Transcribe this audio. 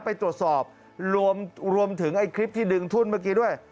ไปตรวจสอบรวมถึงไอ้คลิปที่ดึงทุ่นเมื่อกี้ด้วย